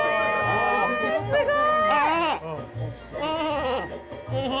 すごい！